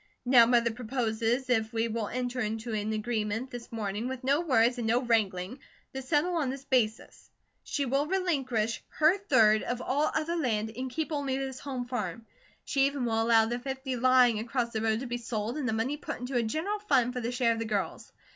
Now Mother proposes if we will enter into an agreement this morning with no words and no wrangling, to settle on this basis: she will relinquish her third of all other land, and keep only this home farm. She even will allow the fifty lying across the road to be sold and the money put into a general fund for the share of the girls.